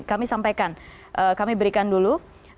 kami sampaikan kami berikan dulu